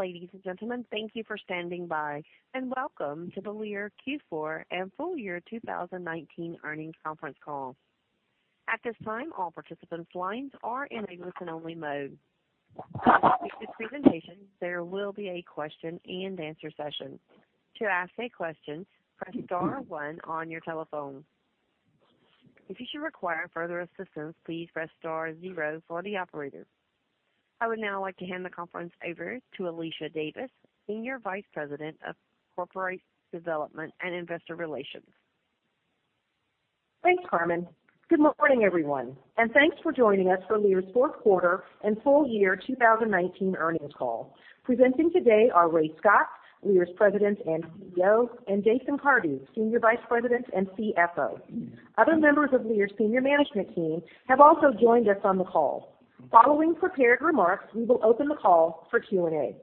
Ladies and gentlemen, thank you for standing by, and welcome to the Lear Q4 and full year 2019 earnings conference call. At this time, all participants' lines are in a listen-only mode. After the presentation, there will be a question and answer session. To ask a question, press star one on your telephone. If you should require further assistance, please press star zero for the operator. I would now like to hand the conference over to Alicia Davis, Senior Vice President of Corporate Development and Investor Relations. Thanks, Carmen. Good morning, everyone, and thanks for joining us for Lear's fourth quarter and full year 2019 earnings call. Presenting today are Ray Scott, Lear's president and CEO, and Jason Cardew, senior vice president and CFO. Other members of Lear's senior management team have also joined us on the call. Following prepared remarks, we will open the call for Q&A.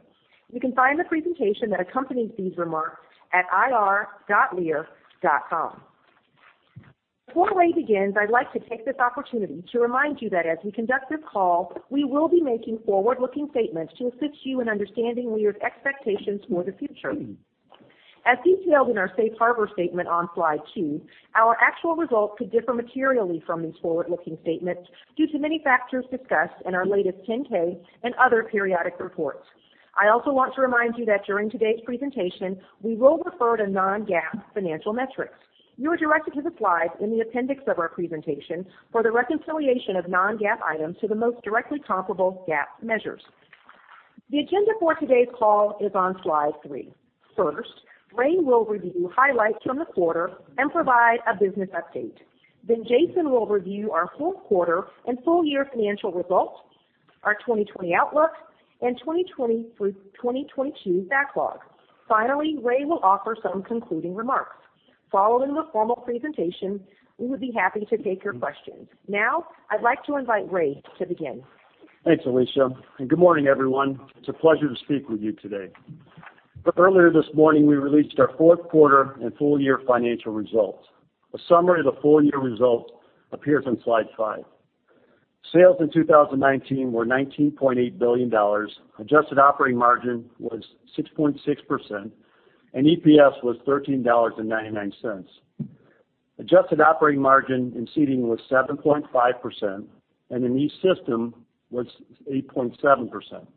You can find the presentation that accompanies these remarks at ir.lear.com. Before Ray begins, I'd like to take this opportunity to remind you that as we conduct this call, we will be making forward-looking statements to assist you in understanding Lear's expectations for the future. As detailed in our safe harbor statement on Slide two, our actual results could differ materially from these forward-looking statements due to many factors discussed in our latest 10-K and other periodic reports. I also want to remind you that during today's presentation, we will refer to non-GAAP financial metrics. You are directed to the slides in the appendix of our presentation for the reconciliation of non-GAAP items to the most directly comparable GAAP measures. The agenda for today's call is on Slide three. First, Ray will review highlights from the quarter and provide a business update. Jason will review our fourth quarter and full year financial results, our 2020 outlook, and 2020 through 2022 backlog. Ray will offer some concluding remarks. Following the formal presentation, we would be happy to take your questions. I'd like to invite Ray to begin. Thanks, Alicia, and good morning, everyone. It's a pleasure to speak with you today. Earlier this morning, we released our fourth quarter and full year financial results. A summary of the full-year results appears on slide five. Sales in 2019 were $19.8 billion, adjusted operating margin was 6.6%, and EPS was $13.99. Adjusted operating margin in Seating was 7.5%, and in E-Systems was 8.7%.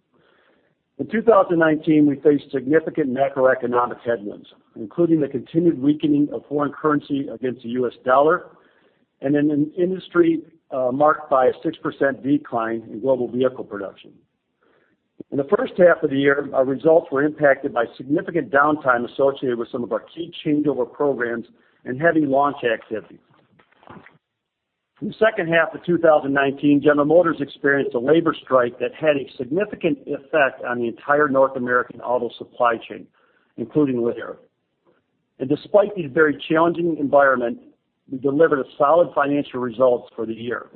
In 2019, we faced significant macroeconomic headwinds, including the continued weakening of foreign currency against the U.S. dollar, and in an industry marked by a 6% decline in global vehicle production. In the first half of the year, our results were impacted by significant downtime associated with some of our key changeover programs and heavy launch activity. In the second half of 2019, General Motors experienced a labor strike that had a significant effect on the entire North American auto supply chain, including Lear. Despite this very challenging environment, we delivered a solid financial result for the year.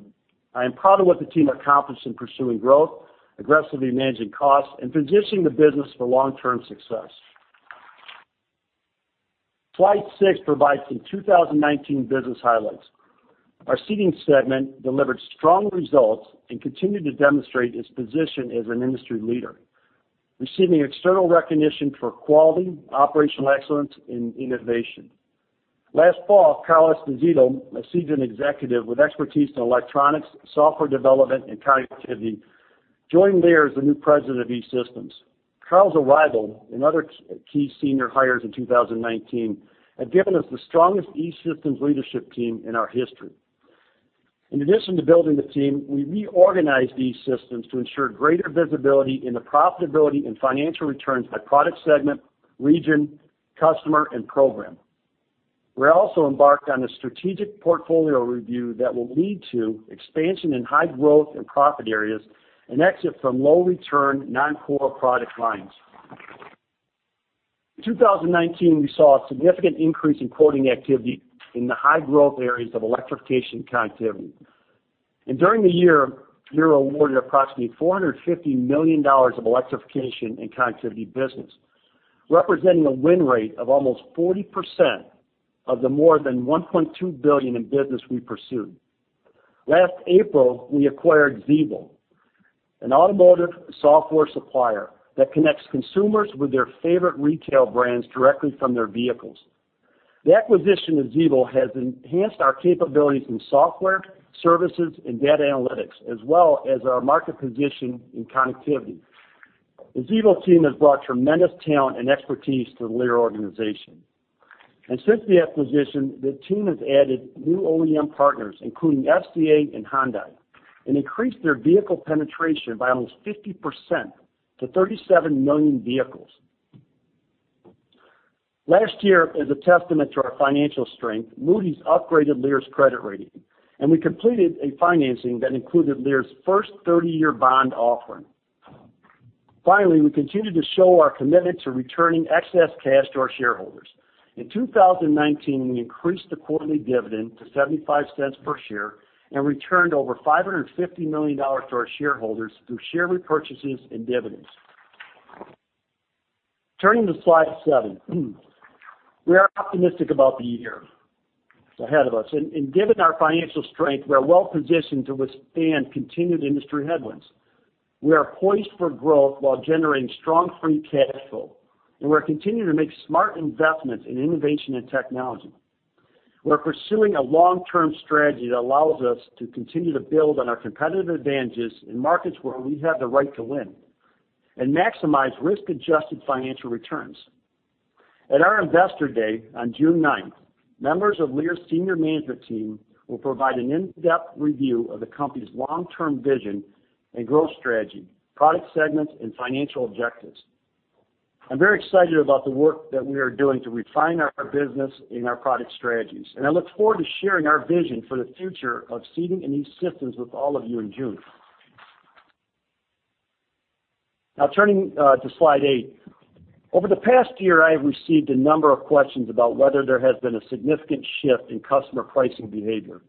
I am proud of what the team accomplished in pursuing growth, aggressively managing costs, and positioning the business for long-term success. Slide six provides some 2019 business highlights. Our Seating segment delivered strong results and continued to demonstrate its position as an industry leader, receiving external recognition for quality, operational excellence, and innovation. Last fall, Carl Esposito, a seasoned executive with expertise in electronics, software development, and connectivity, joined Lear as the new president of E-Systems. Carl's arrival and other key senior hires in 2019 have given us the strongest E-Systems leadership team in our history. In addition to building the team, we reorganized E-Systems to ensure greater visibility in the profitability and financial returns by product segment, region, customer, and program. We also embarked on a strategic portfolio review that will lead to expansion in high growth and profit areas and exit from low-return, non-core product lines. In 2019, we saw a significant increase in quoting activity in the high-growth areas of electrification and connectivity. During the year, Lear awarded approximately $450 million of electrification and connectivity business, representing a win rate of almost 40% of the more than $1.2 billion in business we pursued. Last April, we acquired Xevo, an automotive software supplier that connects consumers with their favorite retail brands directly from their vehicles. The acquisition of Xevo has enhanced our capabilities in software, services, and data analytics, as well as our market position in connectivity. The Xevo team has brought tremendous talent and expertise to the Lear organization. Since the acquisition, the team has added new OEM partners, including FCA and Hyundai, and increased their vehicle penetration by almost 50% to 37 million vehicles. Last year, as a testament to our financial strength, Moody's upgraded Lear's credit rating, and we completed a financing that included Lear's first 30-year bond offering. Finally, we continue to show our commitment to returning excess cash to our shareholders. In 2019, we increased the quarterly dividend to $0.75 per share and returned over $550 million to our shareholders through share repurchases and dividends. Turning to slide seven. We are optimistic about the year ahead of us. Given our financial strength, we are well-positioned to withstand continued industry headwinds. We are poised for growth while generating strong free cash flow, and we're continuing to make smart investments in innovation and technology. We're pursuing a long-term strategy that allows us to continue to build on our competitive advantages in markets where we have the right to win and maximize risk-adjusted financial returns. At our Investor Day on June 9th, members of Lear's senior management team will provide an in-depth review of the company's long-term vision and growth strategy, product segments, and financial objectives. I'm very excited about the work that we are doing to refine our business and our product strategies, and I look forward to sharing our vision for the future of Seating and E-Systems with all of you in June. Turning to slide eight. Over the past year, I have received a number of questions about whether there has been a significant shift in customer pricing behavior.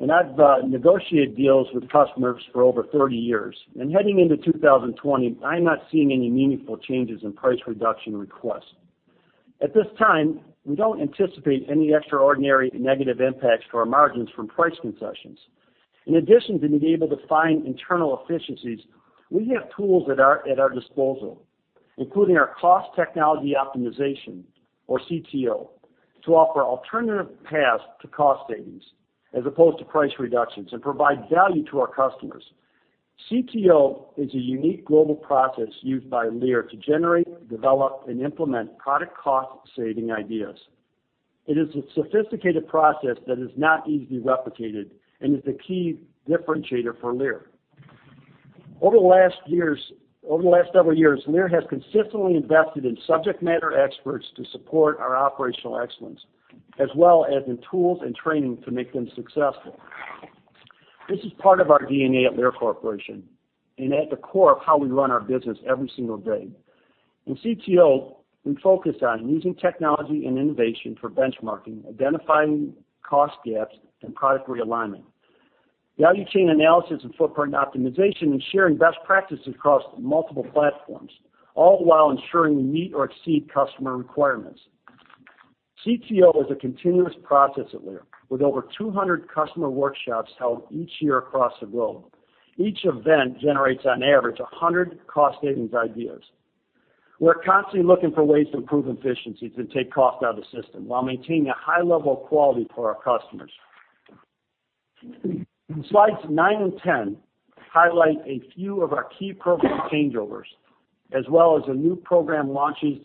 I've negotiated deals with customers for over 30 years. Heading into 2020, I'm not seeing any meaningful changes in price reduction requests. At this time, we don't anticipate any extraordinary negative impacts to our margins from price concessions. In addition to being able to find internal efficiencies, we have tools at our disposal, including our cost technology optimization or CTO, to offer alternative paths to cost savings as opposed to price reductions and provide value to our customers. CTO is a unique global process used by Lear to generate, develop, and implement product cost-saving ideas. It is a sophisticated process that is not easily replicated and is the key differentiator for Lear. Over the last several years, Lear has consistently invested in subject matter experts to support our operational excellence, as well as in tools and training to make them successful. This is part of our DNA at Lear Corporation and at the core of how we run our business every single day. In CTO, we focus on using technology and innovation for benchmarking, identifying cost gaps, and product realignment, value chain analysis and footprint optimization, and sharing best practices across multiple platforms, all while ensuring we meet or exceed customer requirements. CTO is a continuous process at Lear, with over 200 customer workshops held each year across the globe. Each event generates, on average, 100 cost-savings ideas. We're constantly looking for ways to improve efficiency to take cost out of the system while maintaining a high level of quality for our customers. Slides nine and 10 highlight a few of our key program changeovers, as well as the new program launches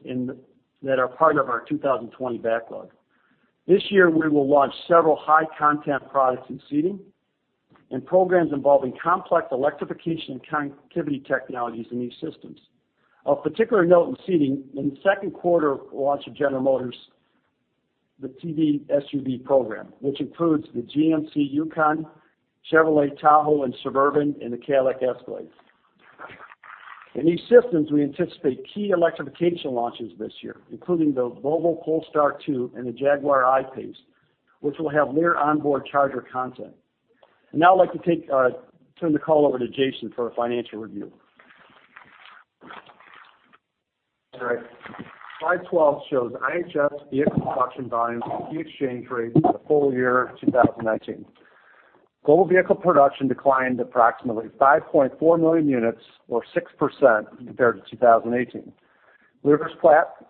that are part of our 2020 backlog. This year, we will launch several high-content products in Seating and programs involving complex electrification and connectivity technologies in E-systems. Of particular note in Seating, in the second quarter, launch of General Motors, the T1XX SUV program, which includes the GMC Yukon, Chevrolet Tahoe and Suburban, and the Cadillac Escalade. In these systems, we anticipate key electrification launches this year, including the Volvo Polestar 2 and the Jaguar I-PACE, which will have Lear onboard charger content. Now I'd like to turn the call over to Jason for a financial review. All right. Slide 12 shows IHS vehicle production volumes and key exchange rates for the full year 2019. Global vehicle production declined approximately 5.4 million units or 6% compared to 2018. Lear's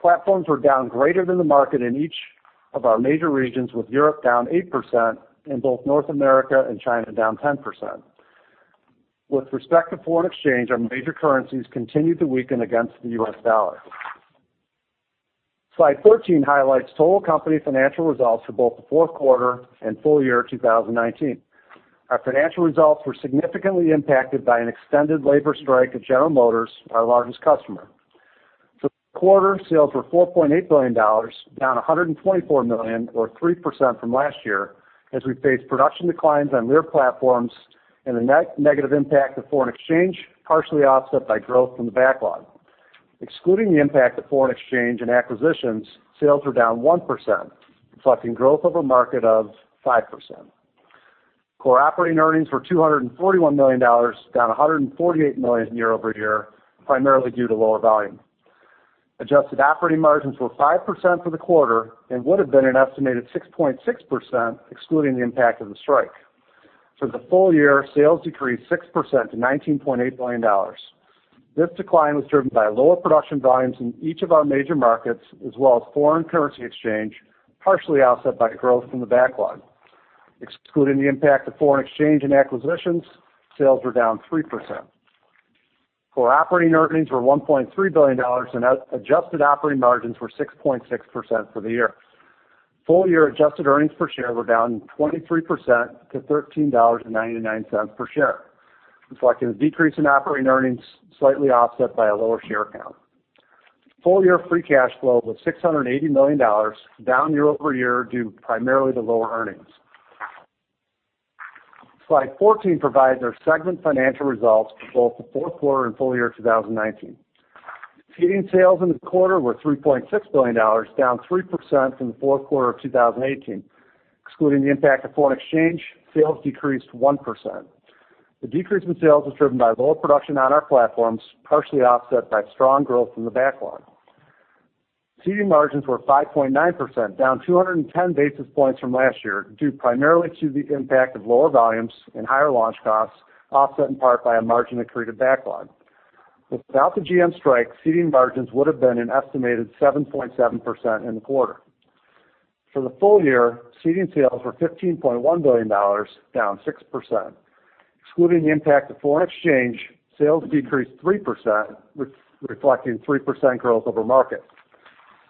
platforms were down greater than the market in each of our major regions, with Europe down 8% and both North America and China down 10%. With respect to foreign exchange, our major currencies continued to weaken against the US dollar. Slide 13 highlights total company financial results for both the fourth quarter and full year 2019. Our financial results were significantly impacted by an extended labor strike at General Motors, our largest customer. For the quarter, sales were $4.8 billion, down $124 million or 3% from last year as we faced production declines on Lear platforms and the negative impact of foreign exchange, partially offset by growth from the backlog. Excluding the impact of foreign exchange and acquisitions, sales were down 1%, reflecting growth of a market of 5%. Core operating earnings were $241 million, down $148 million year-over-year, primarily due to lower volume. Adjusted operating margins were 5% for the quarter and would have been an estimated 6.6% excluding the impact of the strike. For the full year, sales decreased 6% to $19.8 billion. This decline was driven by lower production volumes in each of our major markets as well as foreign currency exchange, partially offset by growth from the backlog. Excluding the impact of foreign exchange and acquisitions, sales were down 3%. Core operating earnings were $1.3 billion, and adjusted operating margins were 6.6% for the year. Full-year adjusted earnings per share were down 23% to $13.99 per share, reflecting a decrease in operating earnings slightly offset by a lower share count. Full-year free cash flow was $680 million, down year-over-year due primarily to lower earnings. Slide 14 provides our segment financial results for both the fourth quarter and full year 2019. Seating sales in the quarter were $3.6 billion, down 3% from the fourth quarter of 2018. Excluding the impact of foreign exchange, sales decreased 1%. The decrease in sales was driven by lower production on our platforms, partially offset by strong growth in the backlog. Seating margins were 5.9%, down 210 basis points from last year, due primarily to the impact of lower volumes and higher launch costs, offset in part by a margin accretive backlog. Without the GM strike, Seating margins would have been an estimated 7.7% in the quarter. For the full year, Seating sales were $15.1 billion, down 6%. Excluding the impact of foreign exchange, sales decreased 3%, reflecting 3% growth over market.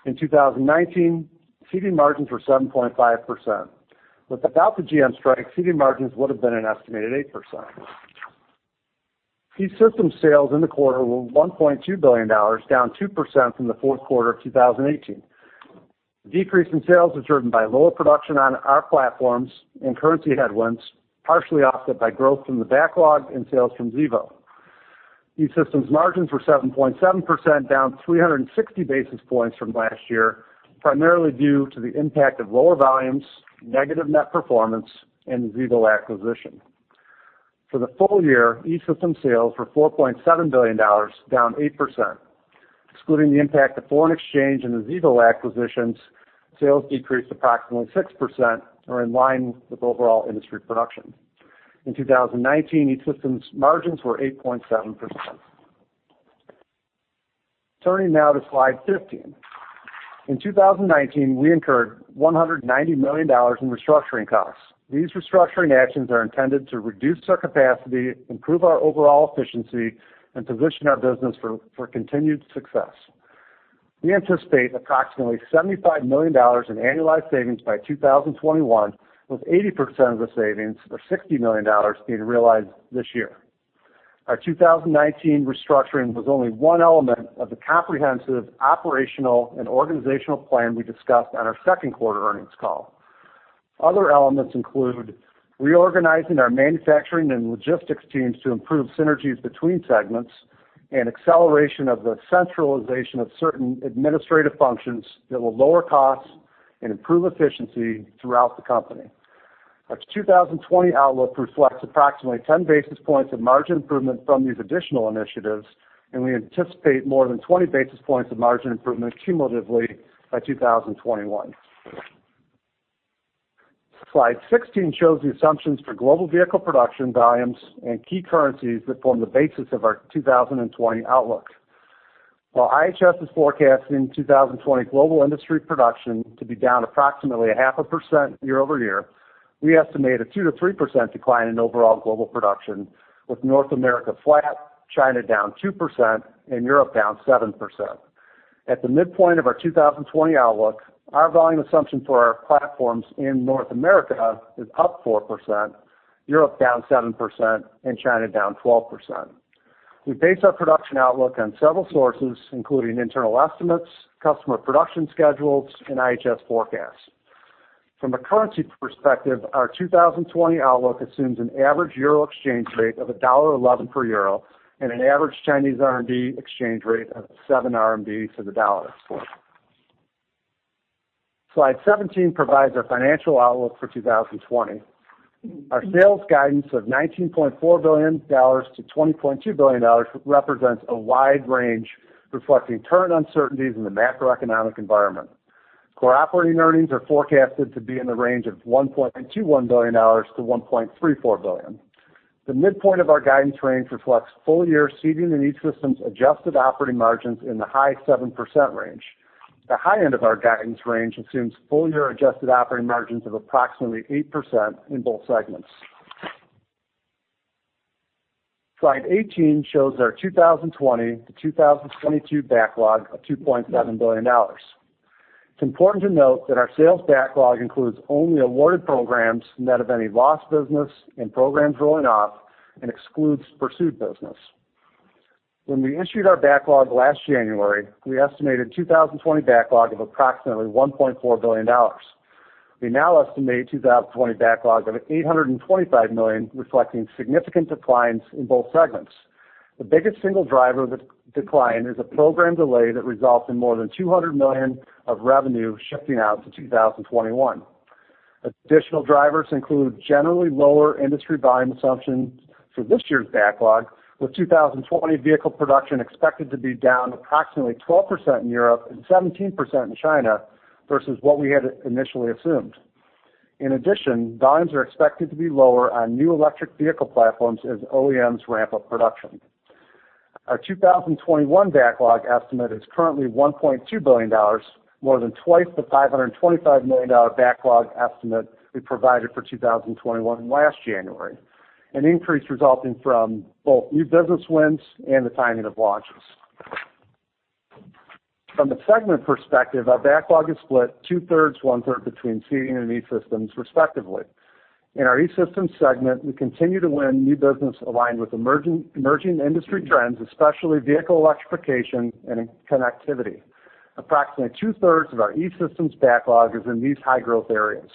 In 2019, Seating margins were 7.5%. Without the GM strike, Seating margins would have been an estimated 8%. E-Systems sales in the quarter were $1.2 billion, down 2% from the fourth quarter of 2018. The decrease in sales was driven by lower production on our platforms and currency headwinds, partially offset by growth in the backlog and sales from Xevo. E-Systems margins were 7.7%, down 360 basis points from last year, primarily due to the impact of lower volumes, negative net performance, and the Xevo acquisition. For the full year, E-Systems sales were $4.7 billion, down 8%. Excluding the impact of foreign exchange and the Xevo acquisitions, sales decreased approximately 6% or in line with overall industry production. In 2019, E-Systems margins were 8.7%. Turning now to slide 15. In 2019, we incurred $190 million in restructuring costs. These restructuring actions are intended to reduce our capacity, improve our overall efficiency, and position our business for continued success. We anticipate approximately $75 million in annualized savings by 2021, with 80% of the savings, or $60 million, being realized this year. Our 2019 restructuring was only one element of the comprehensive operational and organizational plan we discussed on our second quarter earnings call. Other elements include reorganizing our manufacturing and logistics teams to improve synergies between segments and acceleration of the centralization of certain administrative functions that will lower costs and improve efficiency throughout the company. Our 2020 outlook reflects approximately 10 basis points of margin improvement from these additional initiatives, and we anticipate more than 20 basis points of margin improvement cumulatively by 2021. Slide 16 shows the assumptions for global vehicle production volumes and key currencies that form the basis of our 2020 outlook. While IHS is forecasting 2020 global industry production to be down approximately 0.5% year-over-year, we estimate a 2%-3% decline in overall global production, with North America flat, China down 2%, and Europe down 7%. At the midpoint of our 2020 outlook, our volume assumption for our platforms in North America is up 4%, Europe down 7%, and China down 12%. We base our production outlook on several sources, including internal estimates, customer production schedules, and IHS forecasts. From a currency perspective, our 2020 outlook assumes an average EUR exchange rate of $1.11 per EUR and an average CNY exchange rate of 7 RMB to the dollar. Slide 17 provides our financial outlook for 2020. Our sales guidance of $19.4 billion-$20.2 billion represents a wide range reflecting current uncertainties in the macroeconomic environment. Core operating earnings are forecasted to be in the range of $1.21 billion-$1.34 billion. The midpoint of our guidance range reflects full-year Seating and E-Systems adjusted operating margins in the high 7% range. The high end of our guidance range assumes full-year adjusted operating margins of approximately 8% in both segments. Slide 18 shows our 2020 to 2022 backlog of $2.7 billion. It's important to note that our sales backlog includes only awarded programs, net of any lost business and programs rolling off and excludes pursued business. When we issued our backlog last January, we estimated 2020 backlog of approximately $1.4 billion. We now estimate 2020 backlog of $825 million, reflecting significant declines in both segments. The biggest single driver of the decline is a program delay that results in more than $200 million of revenue shifting out to 2021. Additional drivers include generally lower industry volume assumptions for this year's backlog, with 2020 vehicle production expected to be down approximately 12% in Europe and 17% in China versus what we had initially assumed. In addition, volumes are expected to be lower on new electric vehicle platforms as OEMs ramp up production. Our 2021 backlog estimate is currently $1.2 billion, more than twice the $525 million backlog estimate we provided for 2021 last January, an increase resulting from both new business wins and the timing of launches. From a segment perspective, our backlog is split two-thirds, one-third between Seating and E-Systems, respectively. In our E-Systems segment, we continue to win new business aligned with emerging industry trends, especially vehicle electrification and connectivity. Approximately two-thirds of our E-Systems backlog is in these high-growth areas.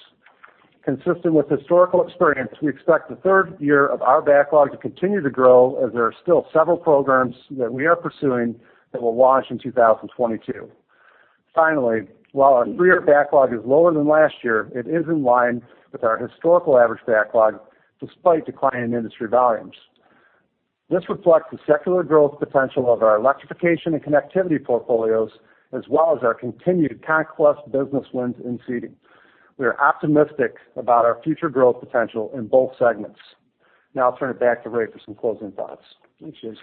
Consistent with historical experience, we expect the third year of our backlog to continue to grow as there are still several programs that we are pursuing that will launch in 2022. While our three-year backlog is lower than last year, it is in line with our historical average backlog despite declining industry volumes. This reflects the secular growth potential of our electrification and connectivity portfolios, as well as our continued conquest business wins in Seating. We are optimistic about our future growth potential in both segments. I'll turn it back to Ray for some closing thoughts. Thanks, Jason.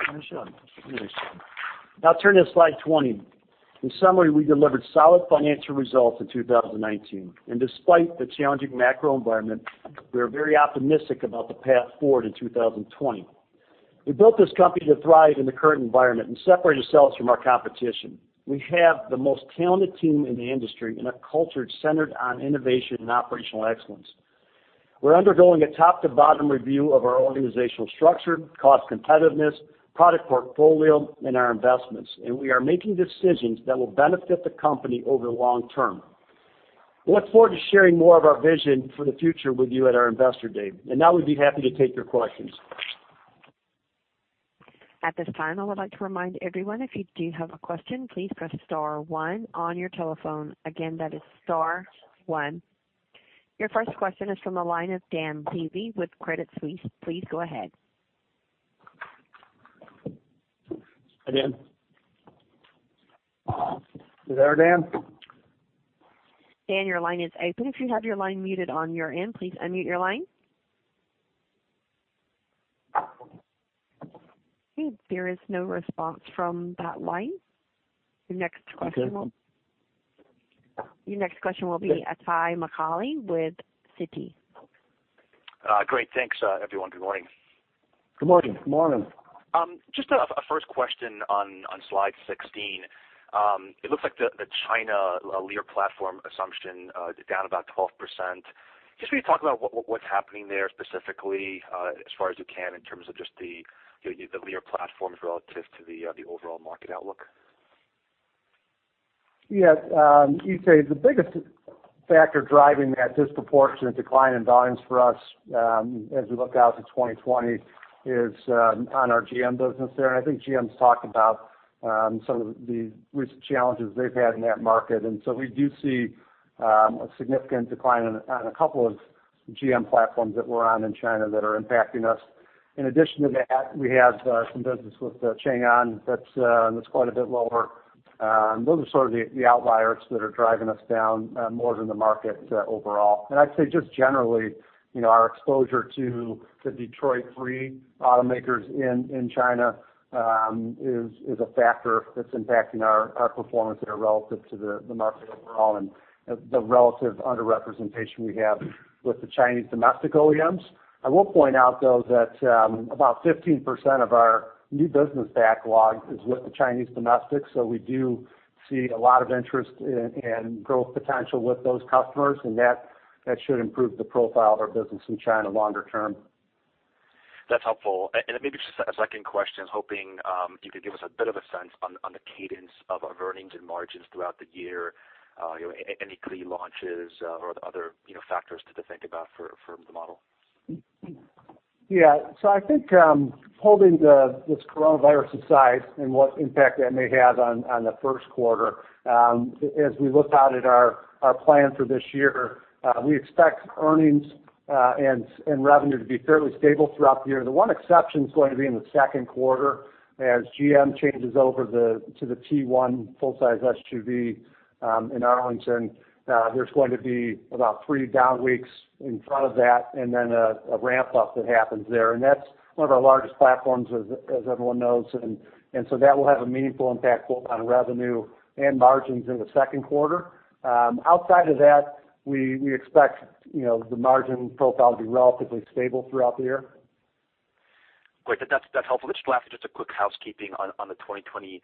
Now turning to slide 20. In summary, we delivered solid financial results in 2019, and despite the challenging macro environment, we are very optimistic about the path forward in 2020. We built this company to thrive in the current environment and separate ourselves from our competition. We have the most talented team in the industry and a culture centered on innovation and operational excellence. We're undergoing a top-to-bottom review of our organizational structure, cost competitiveness, product portfolio, and our investments, and we are making decisions that will benefit the company over the long term. We look forward to sharing more of our vision for the future with you at our Investor Day. Now we'd be happy to take your questions. At this time, I would like to remind everyone if you do have a question, please press star one on your telephone. Again, that is star one. Your first question is from the line of Dan Levy with Credit Suisse. Please go ahead. Hi, Dan. You there, Dan? Dan, your line is open. If you have your line muted on your end, please unmute your line. There is no response from that line. Okay. Your next question will be Itay Michaeli with Citi. Great. Thanks, everyone. Good morning. Good morning. Good morning. Just a first question on slide 16. It looks like the China Lear platform assumption is down about 12%. Just could you talk about what's happening there specifically, as far as you can, in terms of just the Lear platforms relative to the overall market outlook? Yeah. Itay, the biggest factor driving that disproportionate decline in volumes for us as we look out to 2020 is on our GM business there. I think GM's talked about some of the recent challenges they've had in that market. We do see a significant decline on a couple of GM platforms that we're on in China that are impacting us. In addition to that, we have some business with Chang'an that's quite a bit lower. Those are sort of the outliers that are driving us down more than the market overall. I'd say just generally, our exposure to the Detroit Three automakers in China is a factor that's impacting our performance there relative to the market overall and the relative underrepresentation we have with the Chinese domestic OEMs. I will point out, though, that about 15% of our new business backlog is with the Chinese domestic, so we do see a lot of interest and growth potential with those customers, and that should improve the profile of our business in China longer term. That's helpful. Maybe just a second question, was hoping you could give us a bit of a sense on the cadence of earnings and margins throughout the year. Any key launches or other factors to think about for the model? I think, holding this coronavirus aside and what impact that may have on the first quarter, as we look out at our plan for this year, we expect earnings and revenue to be fairly stable throughout the year. The one exception's going to be in the second quarter as GM changes over to the T1XX full-size SUV in Arlington. There's going to be about three down weeks in front of that, a ramp-up that happens there. That's one of our largest platforms, as everyone knows. That will have a meaningful impact both on revenue and margins in the second quarter. Outside of that, we expect the margin profile to be relatively stable throughout the year. Great. That's helpful. Just lastly, just a quick housekeeping on the 2020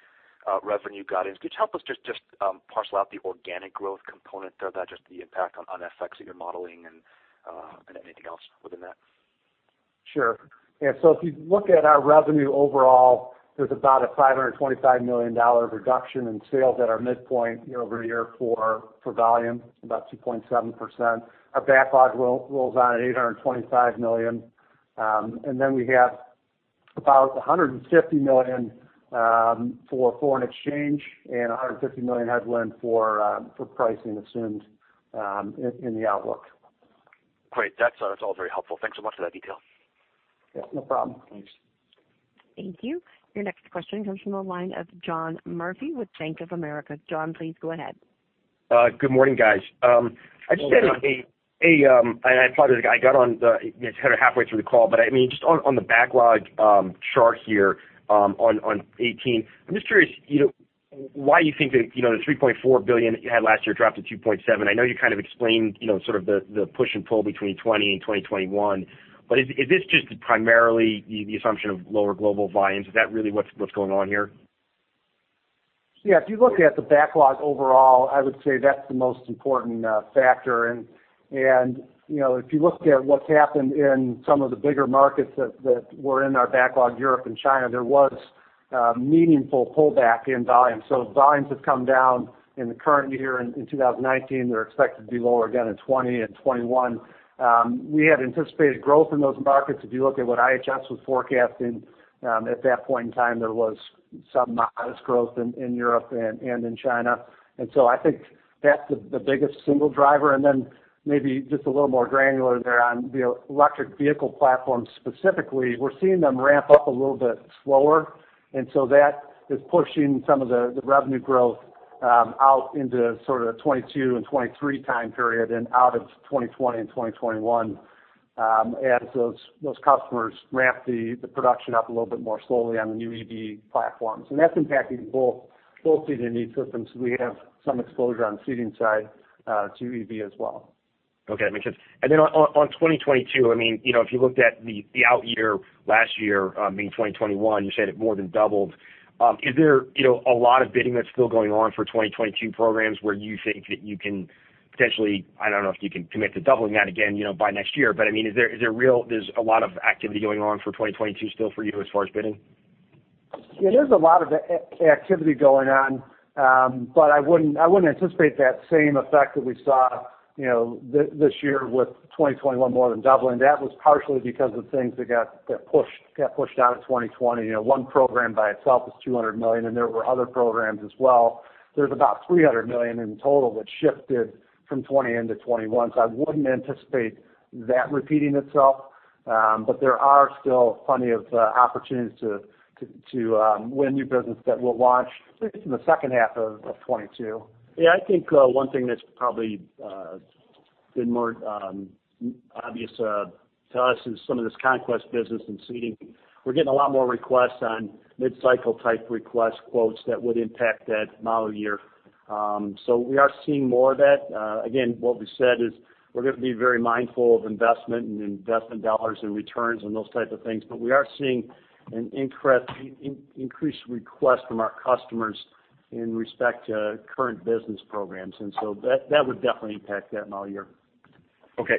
revenue guidance. Could you help us just parcel out the organic growth component of that, just the impact on FX in your modeling and anything else within that? Sure. Yeah, if you look at our revenue overall, there's about a $525 million reduction in sales at our midpoint year-over-year for volume, about 2.7%. Our backlog rolls on at $825 million. We have about $150 million for foreign exchange and $150 million headwind for pricing assumed in the outlook. Great. That's all very helpful. Thanks so much for that detail. Yeah, no problem. Thanks. Thank you. Your next question comes from the line of John Murphy with Bank of America. John, please go ahead. Good morning, guys. Good morning. I apologize, I got on the, kind of halfway through the call. Just on the backlog chart here, on 18, I am just curious why you think that the $3.4 billion you had last year dropped to $2.7. I know you kind of explained sort of the push and pull between 2020 and 2021. Is this just primarily the assumption of lower global volumes? Is that really what's going on here? Yeah, if you look at the backlog overall, I would say that's the most important factor. If you look at what's happened in some of the bigger markets that were in our backlog, Europe and China, there was a meaningful pullback in volume. Volumes have come down in the current year in 2019. They're expected to be lower again in 2020 and 2021. We had anticipated growth in those markets. If you look at what IHS was forecasting at that point in time, there was some modest growth in Europe and in China. I think that's the biggest single driver. Maybe just a little more granular there on the electric vehicle platform specifically, we're seeing them ramp up a little bit slower. That is pushing some of the revenue growth out into sort of the 2022 and 2023 time period and out of 2020 and 2021 as those customers ramp the production up a little bit more slowly on the new EV platforms. That's impacting both Seating and E-Systems. We have some exposure on the Seating side to EV as well. Okay. That makes sense. Then on 2022, if you looked at the out year last year, meaning 2021, you said it more than doubled. Is there a lot of bidding that's still going on for 2022 programs where you think that you can potentially, I don't know if you can commit to doubling that again by next year, but is there a lot of activity going on for 2022 still for you as far as bidding? Yeah, there's a lot of activity going on. I wouldn't anticipate that same effect that we saw this year with 2021 more than doubling. That was partially because of things that got pushed out of 2020. One program by itself is $200 million, and there were other programs as well. There's about $300 million in total that shifted from 2020 into 2021. I wouldn't anticipate that repeating itself. There are still plenty of opportunities to win new business that will launch at least in the second half of 2022. Yeah, I think one thing that's probably been more obvious to us is some of this conquest business in Seating. We're getting a lot more requests on mid-cycle type request quotes that would impact that model year. We are seeing more of that. Again, what we said is we're going to be very mindful of investment and investment dollars and returns and those types of things. We are seeing an increased request from our customers in respect to current business programs, that would definitely impact that model year. Okay.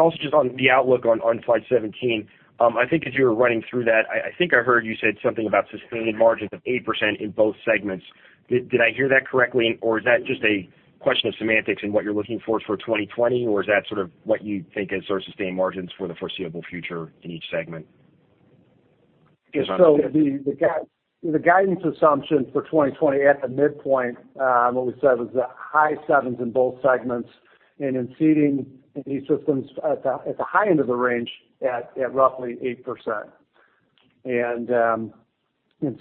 Also just on the outlook on slide 17, I think as you were running through that, I think I heard you said something about sustained margins of 8% in both segments. Did I hear that correctly, or is that just a question of semantics in what you're looking for for 2020, or is that sort of what you think as sort of sustained margins for the foreseeable future in each segment? The guidance assumption for 2020 at the midpoint, what we said was the high 7s in both segments, and in Seating and E-Systems at the high end of the range at roughly 8%. In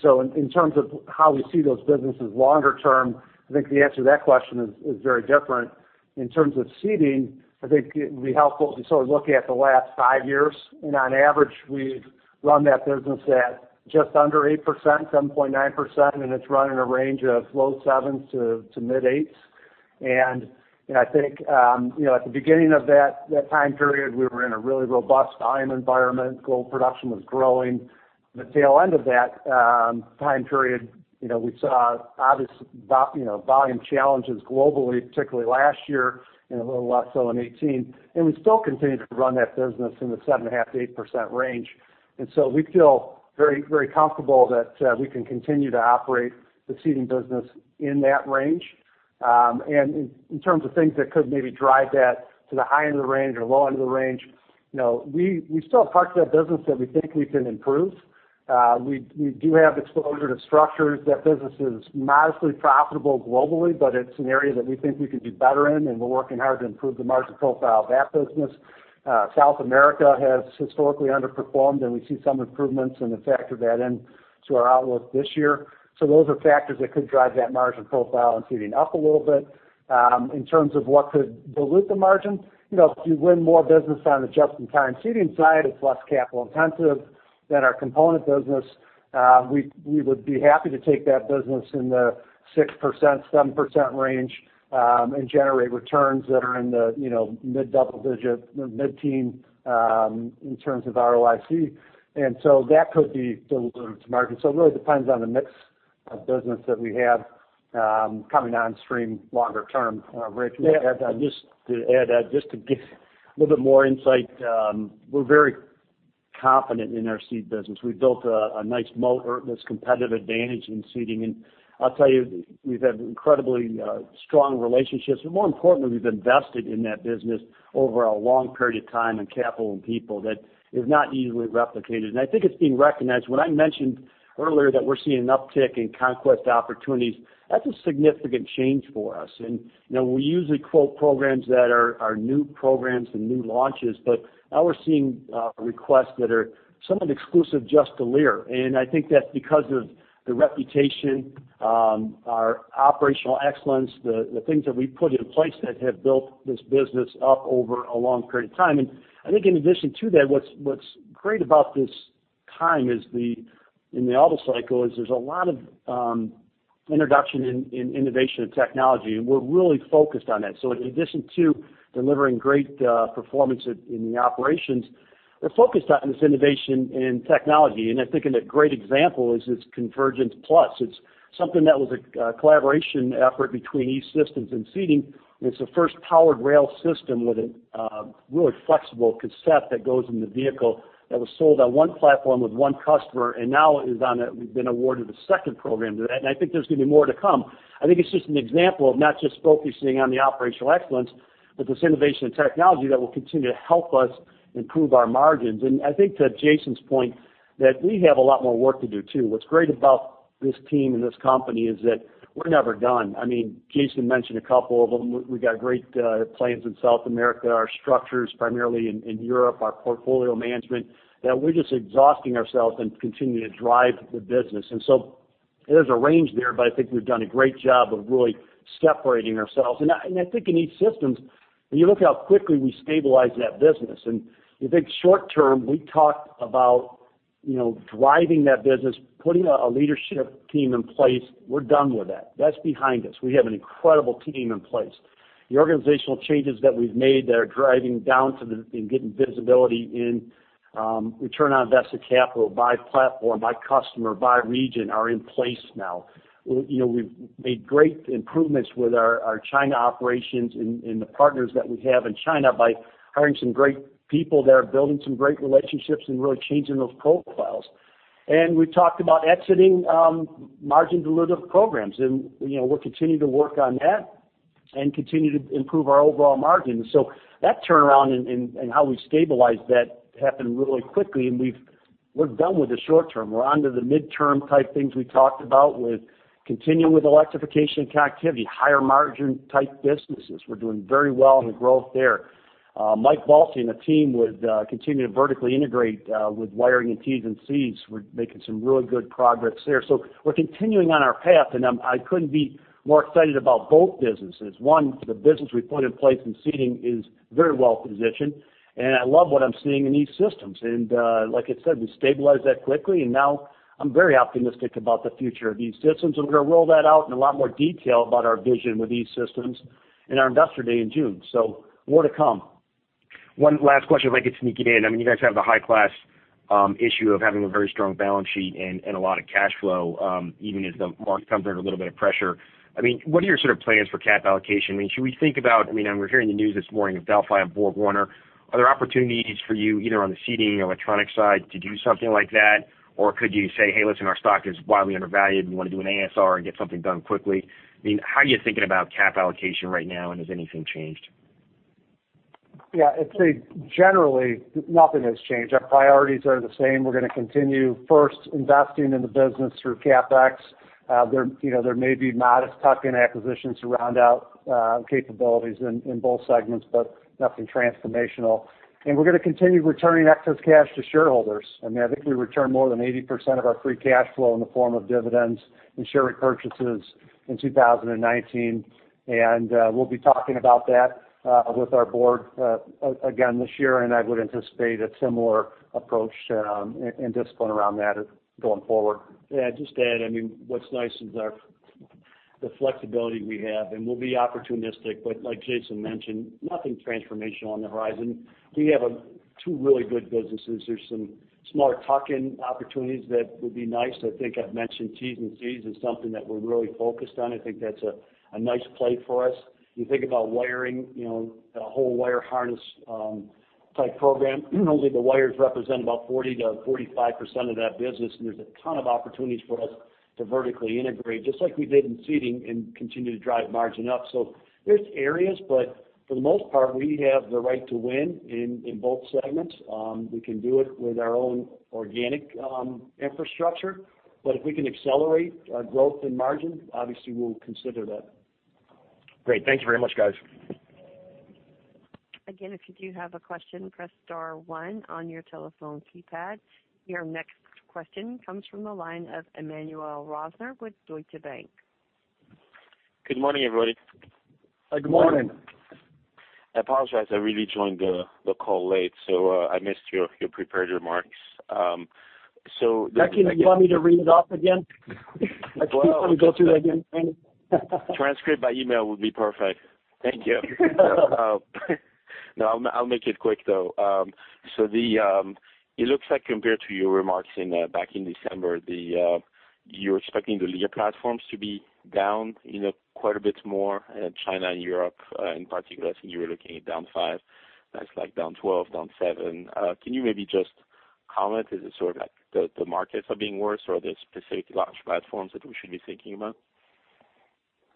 terms of how we see those businesses longer term, I think the answer to that question is very different. In terms of Seating, I think it would be helpful to sort of look at the last five years. On average, we've run that business at just under 8%, 7.9%, and it's run in a range of low 7s-mid 8s. I think at the beginning of that time period, we were in a really robust volume environment. Global production was growing. The tail end of that time period, we saw obvious volume challenges globally, particularly last year, and a little less so in 2018. We still continued to run that Seating business in the 7.5%-8% range. We feel very comfortable that we can continue to operate the Seating business in that range. In terms of things that could maybe drive that to the high end of the range or low end of the range, we still have parts of that business that we think we can improve. We do have exposure to structures. That business is modestly profitable globally, but it is an area that we think we can do better in, and we are working hard to improve the margin profile of that business. South America has historically underperformed, and we see some improvements and have factored that into our outlook this year. Those are factors that could drive that margin profile and Seating up a little bit. In terms of what could dilute the margin, if you win more business on the just-in-time Seating side, it's less capital intensive than our component business. We would be happy to take that business in the 6%-7% range and generate returns that are in the mid double-digit, mid-teen in terms of ROIC. That could dilute the margin. It really depends on the mix of business that we have coming on stream longer term. Ray, can you add to that? Just to add, just to give a little bit more insight. We're very confident in our Seating business. We built a nice moat, this competitive advantage in Seating. I'll tell you, we've had incredibly strong relationships, but more importantly, we've invested in that business over a long period of time in capital and people that is not easily replicated. I think it's being recognized. When I mentioned earlier that we're seeing an uptick in conquest opportunities, that's a significant change for us. We usually quote programs that are new programs and new launches. Now we're seeing requests that are somewhat exclusive just to Lear. I think that's because of the reputation, our operational excellence, the things that we've put in place that have built this business up over a long period of time. I think in addition to that, what's great about this time is in the auto cycle is there's a lot of introduction in innovation and technology, and we're really focused on that. In addition to delivering great performance in the operations, we're focused on this innovation in technology. I think a great example is this ConfigurE+. It's something that was a collaboration effort between E-Systems and Seating, and it's the first powered rail system with a really flexible cassette that goes in the vehicle that was sold on one platform with one customer, and now we've been awarded a second program to that, and I think there's going to be more to come. I think it's just an example of not just focusing on the operational excellence, but this innovation and technology that will continue to help us improve our margins. I think to Jason's point, that we have a lot more work to do, too. What's great about this team and this company is that we're never done. Jason mentioned a couple of them. We've got great plans in South America, our structures primarily in Europe, our portfolio management, that we're just exhausting ourselves and continuing to drive the business. There's a range there, but I think we've done a great job of really separating ourselves. I think in E-Systems, when you look how quickly we stabilize that business, and you think short term, we talked about driving that business, putting a leadership team in place. We're done with that. That's behind us. We have an incredible team in place. The organizational changes that we've made that are driving down and getting visibility in return on invested capital by platform, by customer, by region, are in place now. We've made great improvements with our China operations and the partners that we have in China by hiring some great people that are building some great relationships and really changing those profiles. We've talked about exiting margin-dilutive programs, and we'll continue to work on that and continue to improve our overall margins. That turnaround and how we stabilize that happened really quickly, and we're done with the short term. We're onto the midterm type things we talked about with continuing with electrification and connectivity, higher margin type businesses. We're doing very well in the growth there. Mike Balsei and the team would continue to vertically integrate with wiring and T's and C's. We're making some really good progress there. We're continuing on our path and I couldn't be more excited about both businesses. One, the business we put in place in Seating is very well-positioned, and I love what I'm seeing in E-Systems. Like I said, we stabilized that quickly, and now I'm very optimistic about the future of E-Systems, and we're going to roll that out in a lot more detail about our vision with E-Systems in our Investor Day in June. More to come. One last question if I could sneak it in. You guys have the high-class issue of having a very strong balance sheet and a lot of cash flow, even as the market comes under a little bit of pressure. What are your sort of plans for cap allocation? Should we think about, we're hearing the news this morning of Delphi and BorgWarner. Are there opportunities for you either on the Seating or electronics side to do something like that? Could you say, "Hey, listen, our stock is wildly undervalued. We want to do an ASR and get something done quickly." How are you thinking about cap allocation right now, and has anything changed? Yeah, I'd say generally nothing has changed. Our priorities are the same. We're going to continue first investing in the business through CapEx. There may be modest tuck-in acquisitions to round out capabilities in both segments, but nothing transformational. We're going to continue returning excess cash to shareholders. I think we returned more than 80% of our free cash flow in the form of dividends and share repurchases in 2019. We'll be talking about that with our board again this year, and I would anticipate a similar approach and discipline around that going forward. Just to add, what's nice is the flexibility we have, and we'll be opportunistic, but like Jason mentioned, nothing transformational on the horizon. We have two really good businesses. There's some smaller tuck-in opportunities that would be nice. I think I've mentioned Terminals and Connectors as something that we're really focused on. I think that's a nice play for us. You think about wiring, the whole wire harness type program only the wires represent about 40%-45% of that business, and there's a ton of opportunities for us to vertically integrate, just like we did in Seating, and continue to drive margin up. There's areas, but for the most part, we have the right to win in both segments. We can do it with our own organic infrastructure, but if we can accelerate our growth and margin, obviously we'll consider that. Great. Thanks very much, guys. Again, if you do have a question, press star one on your telephone keypad. Your next question comes from the line of Emmanuel Rosner with Deutsche Bank. Good morning, everybody. Good morning. Good morning. I apologize. I really joined the call late, so I missed your prepared remarks. Do you want me to read it off again? Well- Do you want me to go through that again? Transcript by email would be perfect. Thank you. I'll make it quick, though. It looks like compared to your remarks back in December, you're expecting the Lear platforms to be down quite a bit more in China and Europe, in particular. I think you were looking at down five. That's like down 12, down seven. Can you maybe just comment? Is it sort of like the markets are being worse or are there specific launch platforms that we should be thinking about?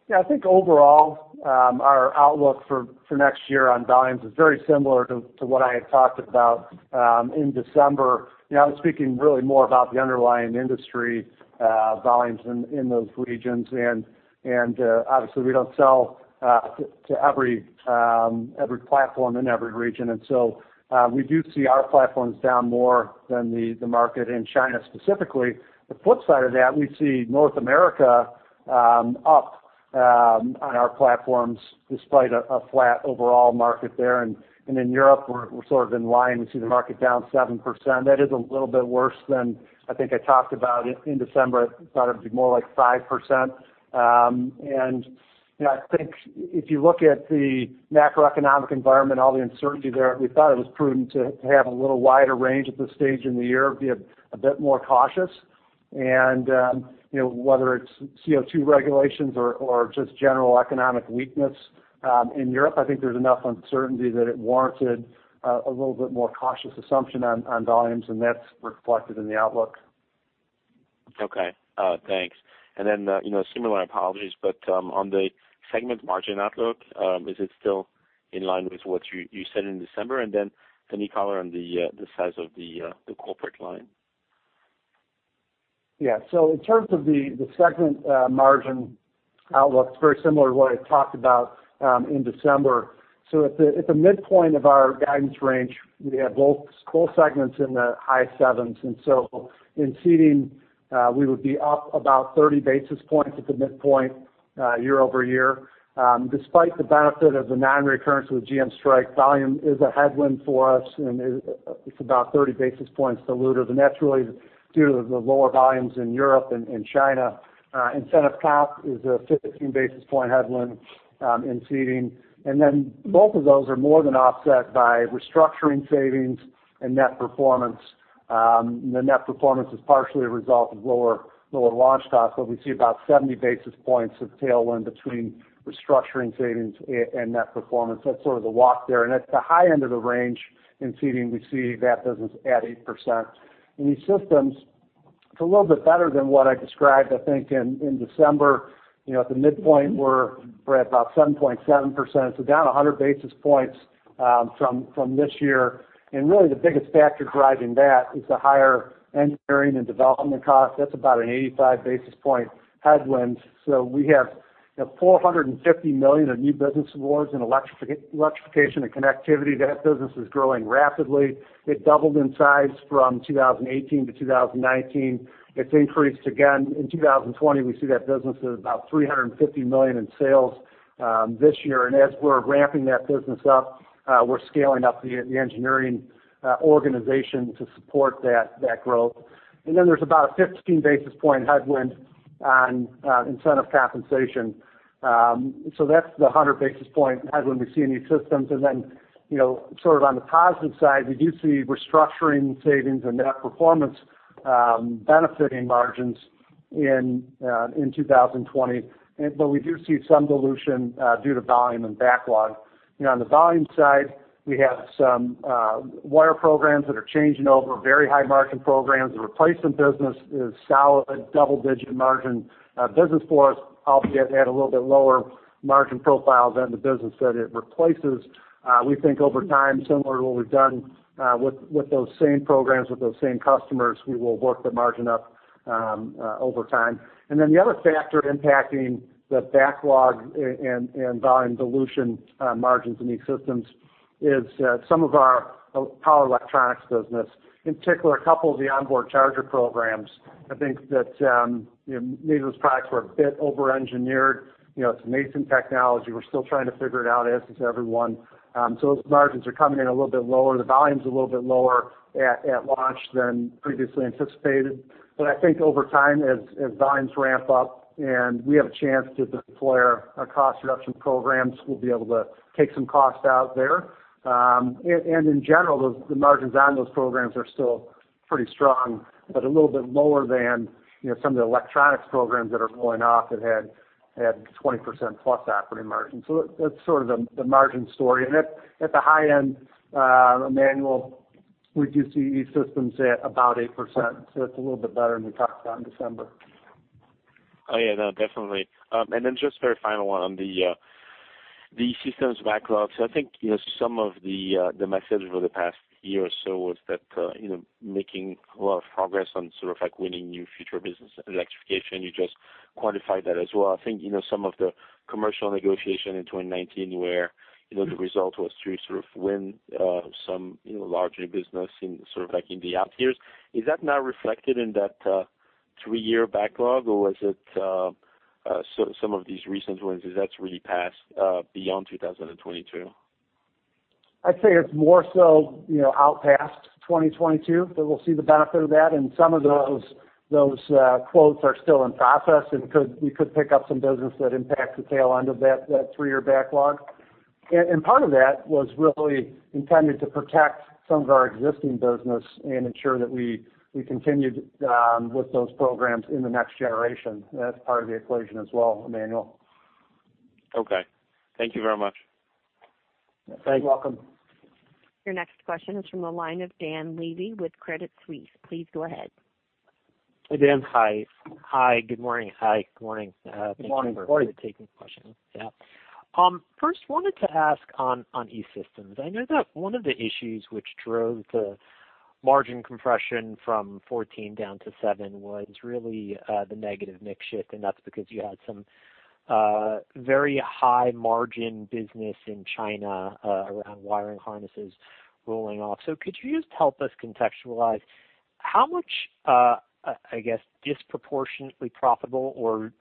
Yeah, I think overall, our outlook for next year on volumes is very similar to what I had talked about in December. I was speaking really more about the underlying industry volumes in those regions. Obviously we don't sell to every platform in every region. We do see our platforms down more than the market in China specifically. The flip side of that, we see North America up on our platforms, despite a flat overall market there. In Europe, we're in line. We see the market down 7%. That is a little bit worse than I think I talked about it in December. I thought it would be more like 5%. I think if you look at the macroeconomic environment, all the uncertainty there, we thought it was prudent to have a little wider range at this stage in the year, be a bit more cautious. Whether it's CO2 regulations or just general economic weakness in Europe, I think there's enough uncertainty that it warranted a little bit more cautious assumption on volumes, and that's reflected in the outlook. Okay. Thanks. Similar apologies, but on the segment margin outlook, is it still in line with what you said in December? Any color on the size of the corporate line? In terms of the segment margin outlook, it's very similar to what I talked about in December. At the midpoint of our guidance range, we have both segments in the high sevens. In Seating, we would be up about 30 basis points at the midpoint year-over-year. Despite the benefit of the non-recurrence of the GM strike, volume is a headwind for us, and it's about 30 basis points dilutive. That's really due to the lower volumes in Europe and China. Incentive comp is a 15 basis point headwind in Seating. Both of those are more than offset by restructuring savings and net performance. The net performance is partially a result of lower launch costs, we see about 70 basis points of tailwind between restructuring savings and net performance. That's sort of the walk there. At the high end of the range in Seating, we see that business at 8%. In E-Systems, it's a little bit better than what I described, I think, in December. At the midpoint, we're at about 7.7%, down 100 basis points from this year. Really the biggest factor driving that is the higher engineering and development cost. That's about an 85 basis point headwind. We have $450 million of new business awards in electrification and connectivity. That business is growing rapidly. It doubled in size from 2018 to 2019. It's increased again. In 2020, we see that business at about $350 million in sales this year. As we're ramping that business up, we're scaling up the engineering organization to support that growth. There's about a 15 basis point headwind on incentive compensation. That's the 100 basis point headwind we see in E-Systems. Sort of on the positive side, we do see restructuring savings and net performance benefiting margins in 2020. We do see some dilution due to volume and backlog. On the volume side, we have some wire programs that are changing over, very high margin programs. The replacement business is solid double-digit margin business for us, albeit at a little bit lower margin profile than the business that it replaces. We think over time, similar to what we've done with those same programs, with those same customers, we will work the margin up over time. The other factor impacting the backlog and volume dilution margins in E-Systems is some of our power electronics business, in particular, a couple of the onboard charger programs. I think that these products were a bit over-engineered. It's a nascent technology. We're still trying to figure it out, as is everyone. Those margins are coming in a little bit lower. The volume's a little bit lower at launch than previously anticipated. I think over time, as volumes ramp up and we have a chance to deploy our cost reduction programs, we'll be able to take some cost out there. In general, the margins on those programs are still pretty strong, but a little bit lower than some of the electronics programs that are rolling off that had 20% plus operating margin. That's sort of the margin story. At the high end, Emmanuel, we do see E-Systems at about 8%, so it's a little bit better than we talked about in December. Oh, yeah. No, definitely. Just very final one on the E-Systems backlogs. I think some of the message over the past year or so was that making a lot of progress on sort of like winning new future business electrification. You just quantified that as well. I think some of the commercial negotiation in 2019, where the result was to sort of win some larger business in the out years. Is that now reflected in that three-year backlog, or was it some of these recent wins, is that really past beyond 2022? I'd say it's more so out past 2022 that we'll see the benefit of that. Some of those quotes are still in process and we could pick up some business that impacts the tail end of that three-year backlog. Part of that was really intended to protect some of our existing business and ensure that we continued with those programs in the next generation. That's part of the equation as well, Emmanuel. Okay. Thank you very much. You're welcome. Your next question is from the line of Dan Levy with Credit Suisse. Please go ahead. Dan, hi. Good morning. Good morning. Thanks for taking the question. wanted to ask on E-Systems. I know that one of the issues which drove the margin compression from 14 down to seven was really the negative mix shift, that's because you had some very high margin business in China around wiring harnesses rolling off. could you just help us contextualize how much, I guess, disproportionately profitable or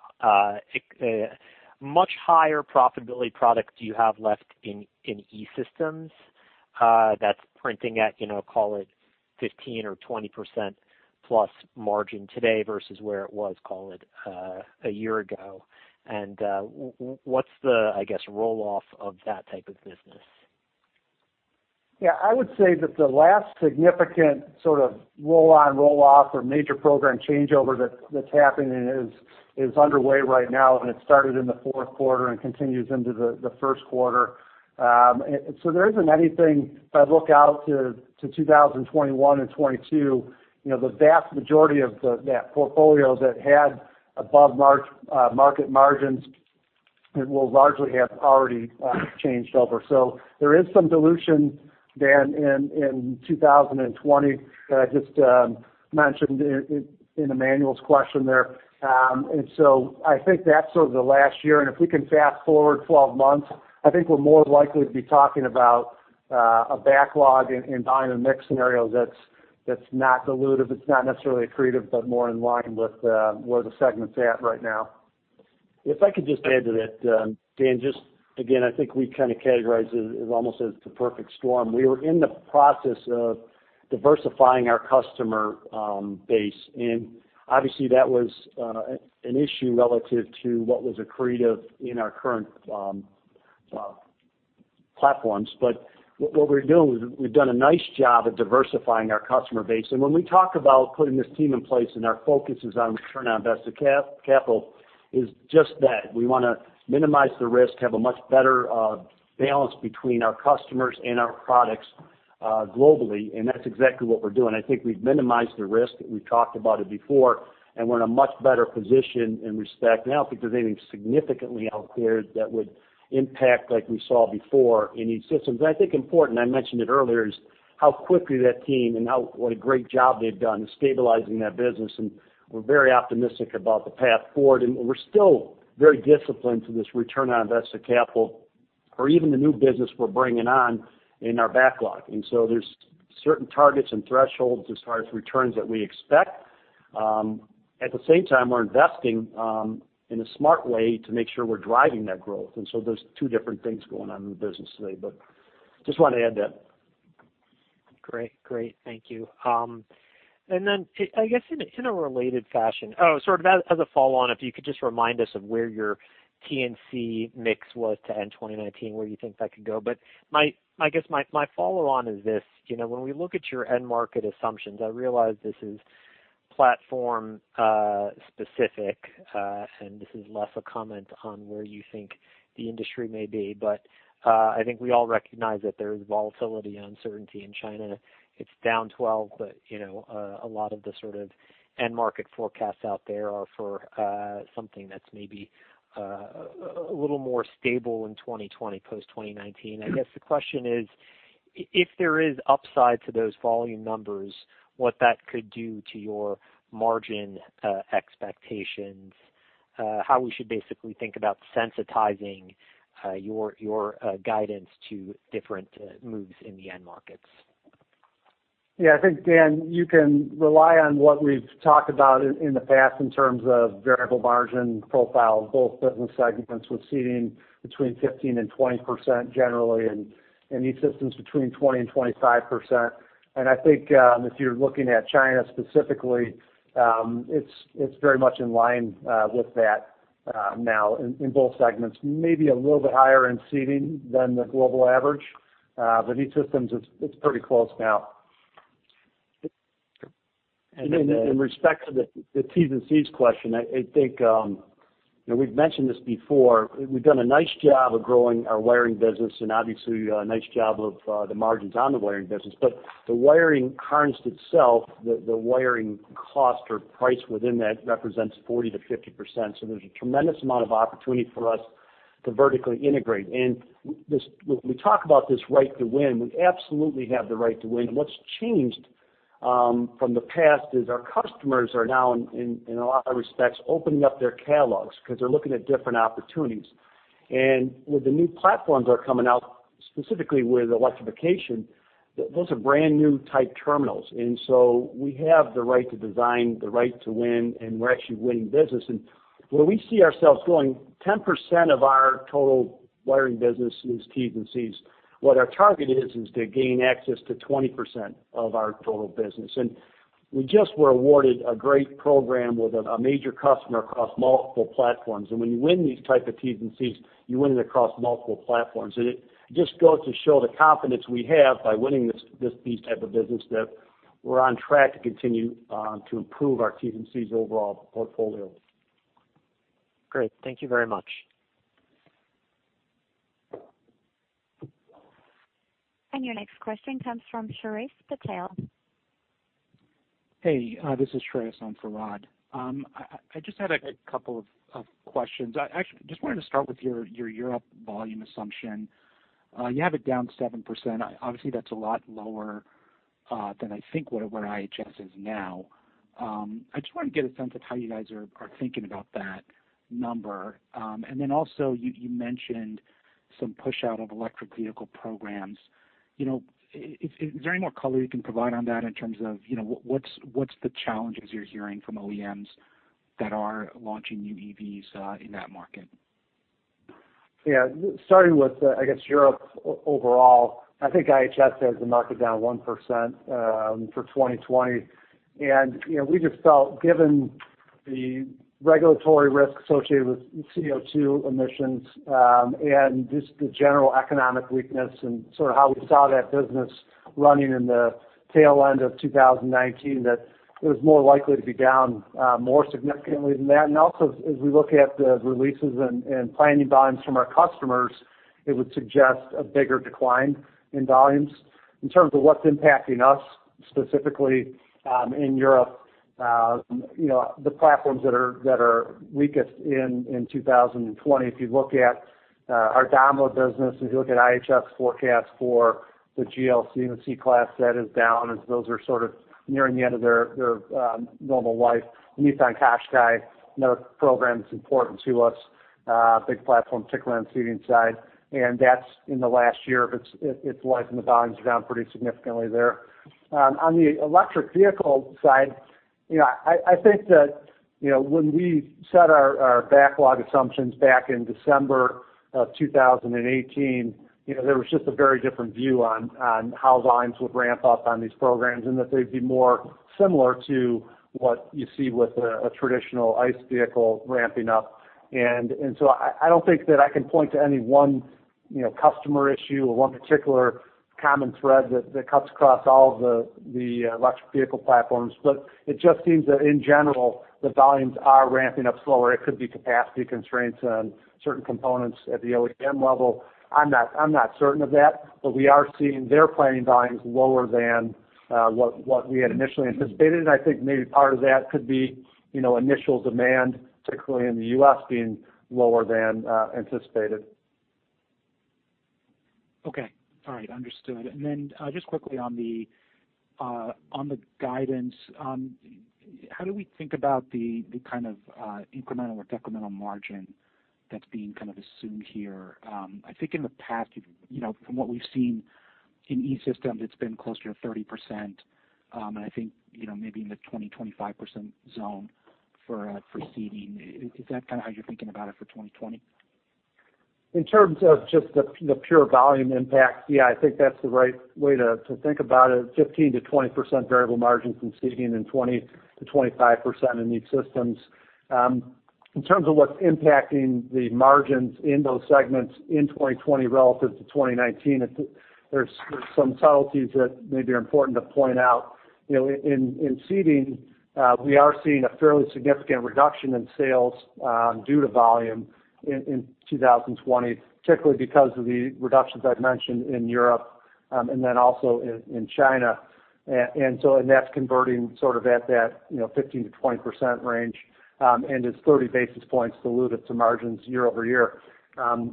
much higher profitability product do you have left in E-Systems that's printing at call it 15% or 20% plus margin today versus where it was, call it, a year ago? what's the, I guess, roll-off of that type of business? Yeah, I would say that the last significant sort of roll-on, roll-off or major program changeover that's happening is underway right now, and it started in the fourth quarter and continues into the first quarter. There isn't anything, if I look out to 2021 and 2022, the vast majority of that portfolio that had above-market margins will largely have already changed over. There is some dilution, Dan, in 2020 that I just mentioned in Emmanuel's question there. I think that's sort of the last year, and if we can fast-forward 12 months, I think we're more likely to be talking about a backlog and volume and mix scenario that's not dilutive. It's not necessarily accretive, but more in line with where the segment's at right now. If I could just add to that, Dan, just again, I think we kind of categorize it as almost as the perfect storm. We were in the process of diversifying our customer base, and obviously that was an issue relative to what was accretive in our current platforms. What we're doing is we've done a nice job at diversifying our customer base. When we talk about putting this team in place and our focus is on return on invested capital, is just that. We want to minimize the risk, have a much better balance between our customers and our products globally, and that's exactly what we're doing. I think we've minimized the risk. We've talked about it before, and we're in a much better position in respect now. I don't think there's anything significantly out there that would impact like we saw before in E-Systems. I think important, I mentioned it earlier, is how quickly that team and what a great job they've done in stabilizing that business, and we're very optimistic about the path forward. We're still very disciplined to this return on invested capital or even the new business we're bringing on in our backlog. There's certain targets and thresholds as far as returns that we expect. At the same time, we're investing in a smart way to make sure we're driving that growth. There's two different things going on in the business today, but just wanted to add that. Great. Thank you. I guess in a related fashion, sort of as a follow-on, if you could just remind us of where your T&C mix was to end 2019, where you think that could go. I guess my follow-on is this. When we look at your end market assumptions, I realize this is platform specific, and this is less a comment on where you think the industry may be. I think we all recognize that there is volatility and uncertainty in China. It's down 12, but a lot of the sort of end market forecasts out there are for something that's maybe a little more stable in 2020, post-2019. I guess the question is, if there is upside to those volume numbers, what that could do to your margin expectations, how we should basically think about sensitizing your guidance to different moves in the end markets. Yeah, I think, Dan, you can rely on what we've talked about in the past in terms of variable margin profile of both business segments with Seating between 15% and 20% generally, and E-Systems between 20% and 25%. I think if you're looking at China specifically, it's very much in line with that now in both segments, maybe a little bit higher in Seating than the global average. E-Systems, it's pretty close now. In respect to the Terminals and Connectors question, I think we've mentioned this before. We've done a nice job of growing our wiring business and obviously a nice job of the margins on the wiring business. The wiring harness itself, the wiring cost or price within that represents 40%-50%. There's a tremendous amount of opportunity for us to vertically integrate. We talk about this right to win. We absolutely have the right to win, and what's changed from the past is our customers are now, in a lot of respects, opening up their catalogs because they're looking at different opportunities. With the new platforms that are coming out, specifically with electrification, those are brand-new type terminals. We have the right to design, the right to win, and we're actually winning business. Where we see ourselves going, 10% of our total wiring business is Terminals and Connectors. What our target is to gain access to 20% of our total business. We just were awarded a great program with a major customer across multiple platforms. When you win these type of Terminals and Connectors, you win it across multiple platforms. It just goes to show the confidence we have by winning these type of business that we're on track to continue to improve our Terminals and Connectors overall portfolio. Great. Thank you very much. Your next question comes from Shreyas Patil. Hey, this is Shreyas on for Rod. I just had a couple of questions. I actually just wanted to start with your Europe volume assumption. You have it down 7%. Obviously, that's a lot lower than I think where IHS is now. I just want to get a sense of how you guys are thinking about that number. Then also you mentioned some push out of electric vehicle programs. Is there any more color you can provide on that in terms of what's the challenges you're hearing from OEMs that are launching new EVs in that market? Yeah. Starting with, I guess Europe overall, I think IHS Markit says the market down 1% for 2020. We just felt given the regulatory risk associated with CO2 emissions and just the general economic weakness and sort of how we saw that business running in the tail end of 2019, that it was more likely to be down more significantly than that. Also as we look at the releases and planning volumes from our customers, it would suggest a bigger decline in volumes. In terms of what's impacting us specifically in Europe, the platforms that are weakest in 2020, if you look at our E-Systems business, if you look at IHS Markit forecast for the GLC and C-Class, that is down as those are sort of nearing the end of their normal life. Nissan Qashqai, another program that's important to us, big platform, particularly on the Seating side, and that's in the last year of its life and the volumes are down pretty significantly there. On the electric vehicle side, I think that when we set our backlog assumptions back in December of 2018, there was just a very different view on how volumes would ramp up on these programs and that they'd be more similar to what you see with a traditional ICE vehicle ramping up. I don't think that I can point to any one customer issue or one particular common thread that cuts across all of the electric vehicle platforms. It just seems that in general, the volumes are ramping up slower. It could be capacity constraints on certain components at the OEM level. I'm not certain of that. We are seeing their planning volumes lower than what we had initially anticipated. I think maybe part of that could be initial demand, particularly in the U.S. being lower than anticipated. Okay. All right. Understood. Then just quickly on the guidance, how do we think about the kind of incremental or decremental margin that's being kind of assumed here? I think in the past, from what we've seen in E-Systems, it's been closer to 30%, and I think maybe in the 20%-25% zone for Seating. Is that kind of how you're thinking about it for 2020? In terms of just the pure volume impact, yeah, I think that's the right way to think about it, 15%-20% variable margin from Seating and 20%-25% in E-Systems. In terms of what's impacting the margins in those segments in 2020 relative to 2019, there's some subtleties that maybe are important to point out. In Seating, we are seeing a fairly significant reduction in sales due to volume in 2020, particularly because of the reductions I've mentioned in Europe then also in China. That's converting sort of at that 15%-20% range, and it's 30 basis points diluted to margins year-over-year.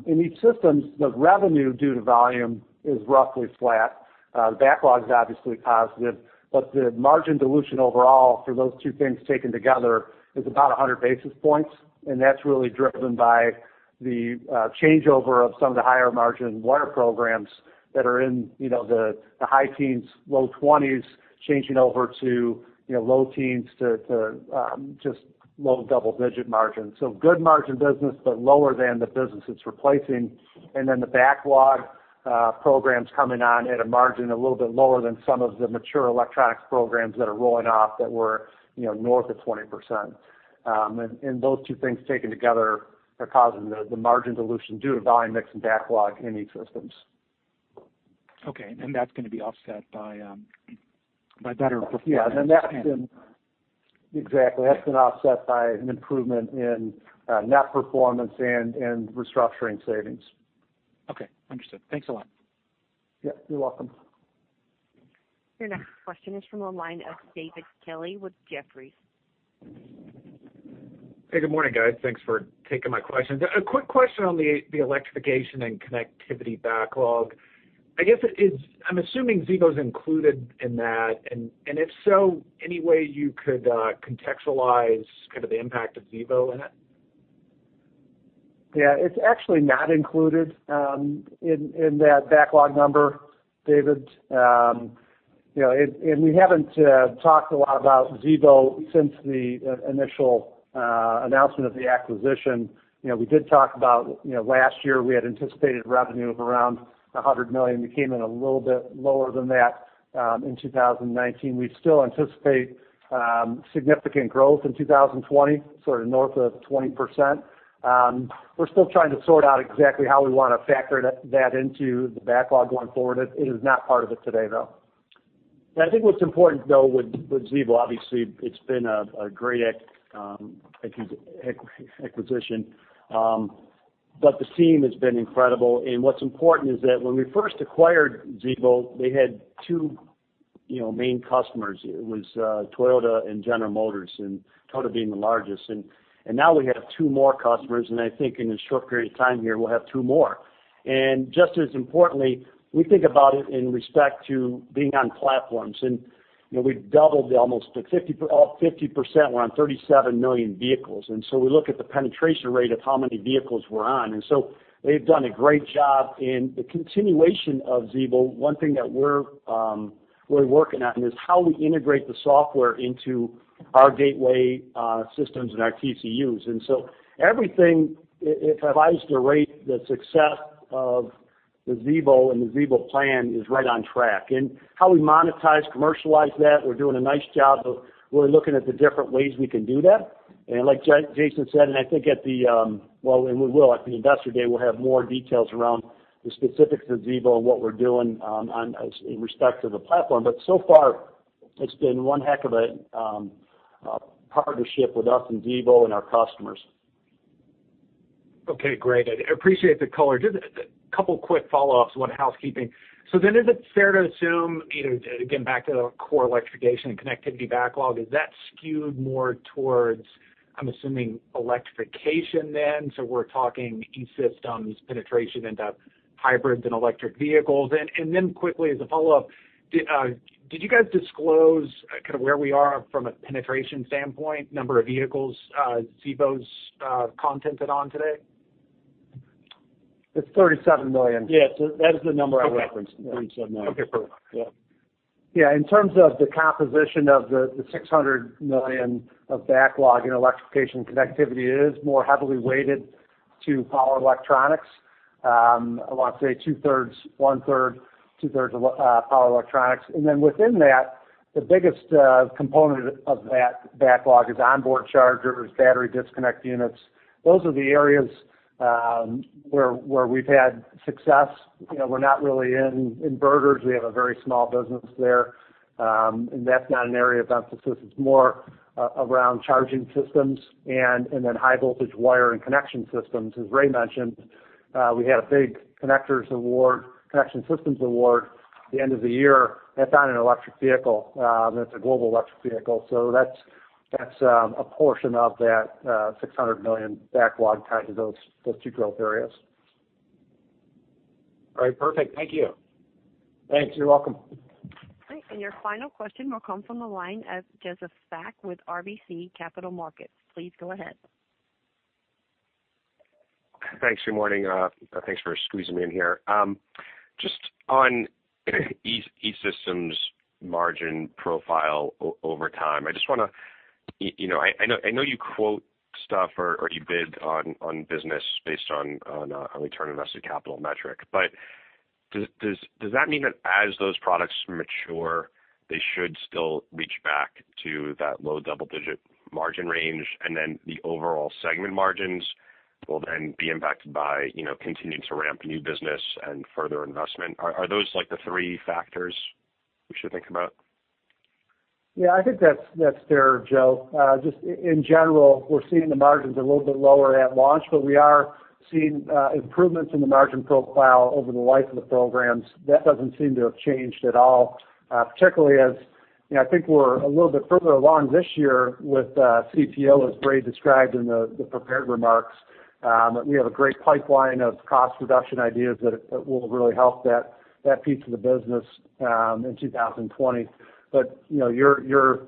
In E-Systems, the revenue due to volume is roughly flat. The backlog's obviously positive, but the margin dilution overall for those two things taken together is about 100 basis points, and that's really driven by the changeover of some of the higher margin wiring programs that are in the high teens, low 20s changing over to low teens to just low double-digit margins. Good margin business, but lower than the business it's replacing. The backlog programs coming on at a margin a little bit lower than some of the mature electronics programs that are rolling off that were north of 20%. Those two things taken together are causing the margin dilution due to volume mix and backlog in E-Systems. Okay, that's going to be offset by better performance. Yeah. Exactly. That's been offset by an improvement in net performance and restructuring savings. Okay, understood. Thanks a lot. Yep, you're welcome. Your next question is from the line of David Kelley with Jefferies. Hey, good morning, guys. Thanks for taking my questions. A quick question on the electrification and connectivity backlog. I guess I'm assuming Xevo's included in that. If so, any way you could contextualize kind of the impact of Xevo in it? Yeah, it's actually not included in that backlog number, David. We haven't talked a lot about Xevo since the initial announcement of the acquisition. We did talk about last year we had anticipated revenue of around $100 million. We came in a little bit lower than that in 2019. We still anticipate significant growth in 2020, sort of north of 20%. We're still trying to sort out exactly how we want to factor that into the backlog going forward. It is not part of it today, though. I think what's important though with Xevo, obviously it's been a great acquisition. The team has been incredible and what's important is that when we first acquired Xevo, they had two main customers. It was Toyota and General Motors, Toyota being the largest. Now we have two more customers, and I think in a short period of time here, we'll have two more. Just as importantly, we think about it in respect to being on platforms. We've doubled almost to 50%. We're on 37 million vehicles. We look at the penetration rate of how many vehicles we're on. They've done a great job in the continuation of Xevo. One thing that we're working on is how we integrate the software into our gateway systems and our TCUs. Everything, if I was to rate the success of the Xevo and the Xevo plan, is right on track. How we monetize, commercialize that, we're doing a nice job of really looking at the different ways we can do that. Like Jason said, and I think at the-- well, and we will at the Investor Day, we'll have more details around the specifics of Xevo and what we're doing in respect to the platform. So far it's been one heck of a partnership with us and Xevo and our customers. Okay, great. I appreciate the color. Just a couple quick follow-ups, one housekeeping. Is it fair to assume, getting back to the core electrification and connectivity backlog, is that skewed more towards, I'm assuming, electrification then? We're talking E-Systems penetration into hybrids and electric vehicles. Quickly as a follow-up, did you guys disclose where we are from a penetration standpoint, number of vehicles Xevo's contented on today? It's $37 million. Yeah. That is the number I referenced, $37 million. Okay, perfect. Yeah. In terms of the composition of the $600 million of backlog in electrification connectivity, it is more heavily weighted to power electronics. I want to say two-thirds, one-third, two-thirds power electronics. Within that, the biggest component of that backlog is onboard chargers, battery disconnect units. Those are the areas where we've had success. We're not really in inverters. We have a very small business there. That's not an area of emphasis. It's more around charging systems and then high voltage wire and connection systems. As Ray mentioned, we had a big connectors award, connection systems award at the end of the year. That's on an electric vehicle, and it's a global electric vehicle. That's a portion of that $600 million backlog tied to those two growth areas. All right, perfect. Thank you. Thanks. You're welcome. Great. Your final question will come from the line of Joseph Spak with RBC Capital Markets. Please go ahead. Thanks. Good morning. Thanks for squeezing me in here. Just on E-Systems margin profile over time, I know you quote stuff or you bid on business based on a return on asset capital metric, but does that mean that as those products mature, they should still reach back to that low double-digit margin range and then the overall segment margins will then be impacted by continuing to ramp new business and further investment? Are those the three factors we should think about? Yeah, I think that's fair, Joe. Just in general, we're seeing the margins a little bit lower at launch, but we are seeing improvements in the margin profile over the life of the programs. That doesn't seem to have changed at all. Particularly as I think we're a little bit further along this year with CTO, as Ray described in the prepared remarks, that we have a great pipeline of cost reduction ideas that will really help that piece of the business in 2020. Your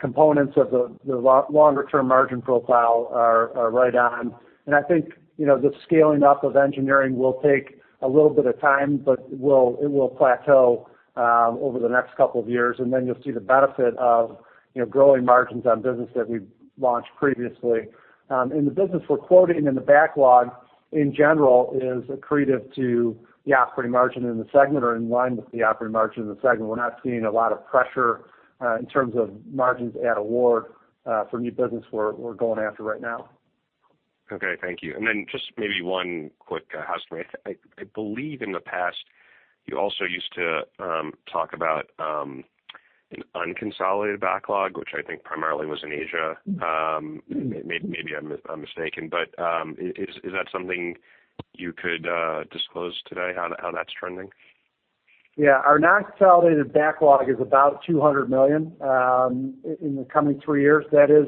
components of the longer-term margin profile are right on. I think the scaling up of engineering will take a little bit of time, but it will plateau over the next couple of years, and then you'll see the benefit of growing margins on business that we've launched previously. In the business we're quoting in the backlog, in general, is accretive to the operating margin in the segment or in line with the operating margin in the segment. We're not seeing a lot of pressure in terms of margins at award for new business we're going after right now. Okay, thank you. Just maybe one quick ask. I believe in the past you also used to talk about an unconsolidated backlog, which I think primarily was in Asia. Maybe I'm mistaken, but is that something you could disclose today how that's trending? Our non-consolidated backlog is about $200 million in the coming three years. That is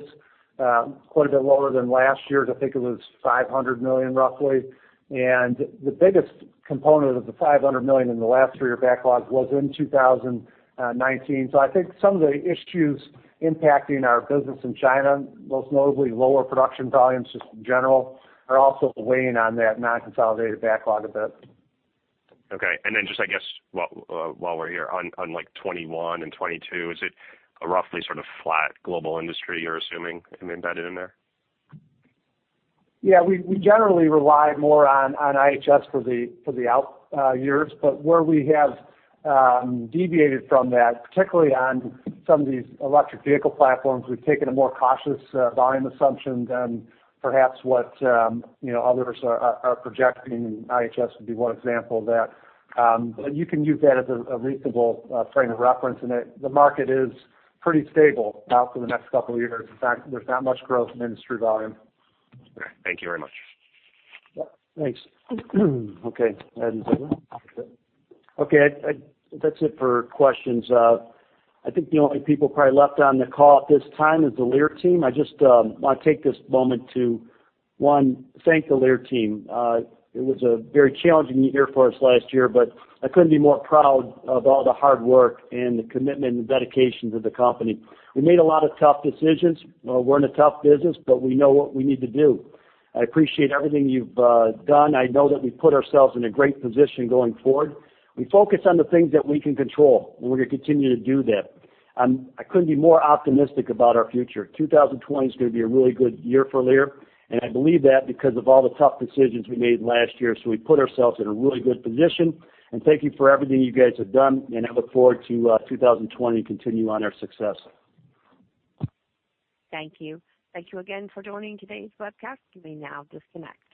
quite a bit lower than last year's. I think it was $500 million roughly. The biggest component of the $500 million in the last three-year backlog was in 2019. I think some of the issues impacting our business in China, most notably lower production volumes just in general, are also weighing on that non-consolidated backlog a bit. Okay. Just I guess while we're here, on 2021 and 2022, is it a roughly sort of flat global industry you're assuming embedded in there? Yeah. We generally rely more on IHS for the out years, where we have deviated from that, particularly on some of these electric vehicle platforms, we've taken a more cautious volume assumption than perhaps what others are projecting. IHS would be one example of that. You can use that as a reasonable frame of reference in it. The market is pretty stable out for the next couple of years. In fact, there's not much growth in industry volume. Okay. Thank you very much. Thanks. Okay. Go ahead and take it. Okay. That's it for questions. I think the only people probably left on the call at this time is the Lear Team. I just want to take this moment to, one, thank the Lear Team. It was a very challenging year for us last year, but I couldn't be more proud of all the hard work and the commitment and dedication to the company. We made a lot of tough decisions. We're in a tough business, but we know what we need to do. I appreciate everything you've done. I know that we've put ourselves in a great position going forward. We focus on the things that we can control, and we're going to continue to do that. I couldn't be more optimistic about our future. 2020 is going to be a really good year for Lear, and I believe that because of all the tough decisions we made last year, so we put ourselves in a really good position. Thank you for everything you guys have done, and I look forward to 2020 and continue on our success. Thank you. Thank you again for joining today's webcast. You may now disconnect.